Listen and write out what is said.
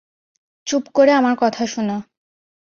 চুপ করে আমার কথা শোনো।